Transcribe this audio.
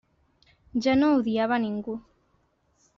Ja no odiava a ningú.